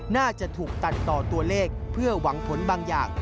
น่าจะถูกตัดต่อตัวเลขเพื่อหวังผลบางอย่าง